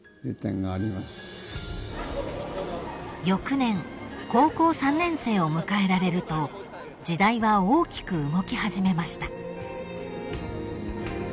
［翌年高校３年生を迎えられると時代は大きく動き始めました］